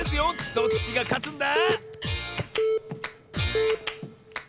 どっちがかつんだ？